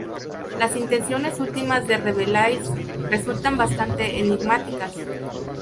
Las intenciones últimas de Rabelais resultan bastante enigmáticas.